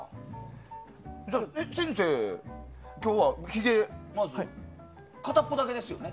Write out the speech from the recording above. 先生、今日はひげ片っぽだけですよね。